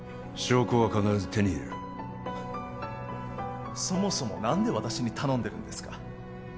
証拠は必ず手に入れるそもそも何で私に頼んでるんですか？